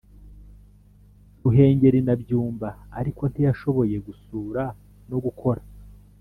Ruhengeri na Byumba Ariko ntiyashoboye gusura no gukora